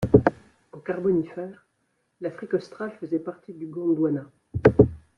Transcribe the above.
Au Carbonifère, l'Afrique australe faisait partie du Gondwana.